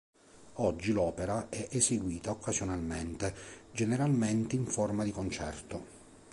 Oggi l'opera è eseguita occasionalmente, generalmente in forma di concerto.